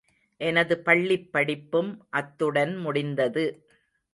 எனது பள்ளிப் படிப்பும் அத்துடன் முடிந்தது.